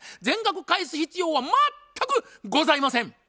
全額返す必要は全くございません。